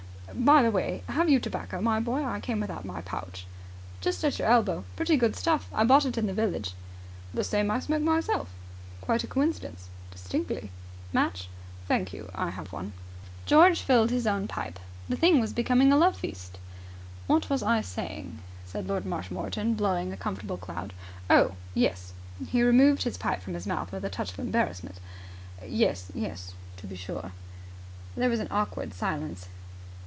By the way, have you tobacco, my boy. I came without my pouch." "Just at your elbow. Pretty good stuff. I bought it in the village." "The same I smoke myself." "Quite a coincidence." "Distinctly." "Match?" "Thank you, I have one." George filled his own pipe. The thing was becoming a love feast. "What was I saying?" said Lord Marshmoreton, blowing a comfortable cloud. "Oh, yes." He removed his pipe from his mouth with a touch of embarrassment. "Yes, yes, to be sure!" There was an awkward silence.